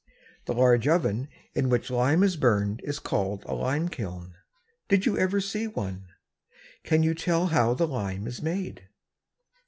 The large oven in which lime is burned is called a lime kiln. Did you ever see one? Can you tell how the lime is made?